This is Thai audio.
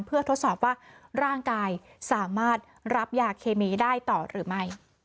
เพื่อทดสอบว่าร่างกายสามารถรับยาเคมีได้ต่อหรือไม่